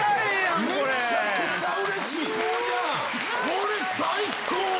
これ最高！